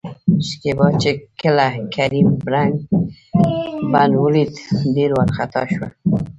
شکيبا چې کله کريم ړنګ، بنګ ولېد ډېره ورخطا شوه.